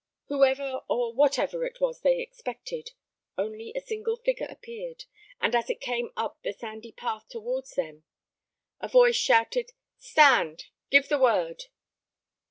Whoever or whatever it was they expected, only a single figure appeared, and as it came up the sandy path towards them, a voice shouted, "Stand! Give the word!"